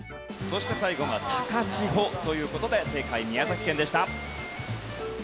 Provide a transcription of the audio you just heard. そして最後が高千穂という事で正解宮崎県でした。